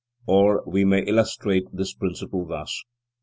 Or we may illustrate this principle thus.